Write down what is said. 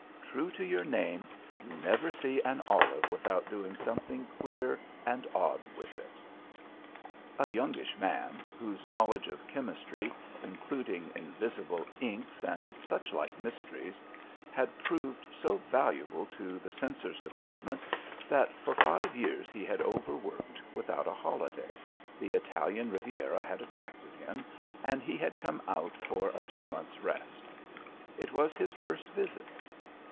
True to your name, you never see an olive without doing something queer and odd with it!" A youngish man, whose knowledge of chemistry, including invisible inks and such like mysteries, had proved so valuable to the Censor's Department that for five years he had overworked without a holiday, the Italian Riviera had attracted him, and he had come out for a two months' rest. It was his first visit.